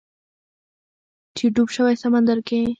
چې ډوب شوی سمندر کې